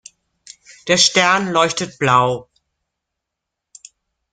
Der Stern leuchtet blau.